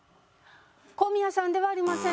小宮さんではありません。